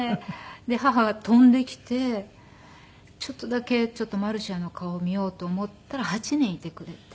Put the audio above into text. で母は飛んできてちょっとだけマルシアの顔を見ようと思ったら８年いてくれて。